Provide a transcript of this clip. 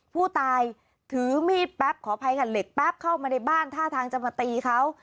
ผู้ตายถือมีดแป๊บขออภัยค่ะเหล็กแป๊บเข้ามาในบ้านท่าทางจะมาตีเขา